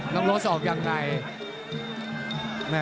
ล้ำลดออกอย่างไหน